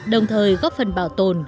đồng thời góp phần bảo tồn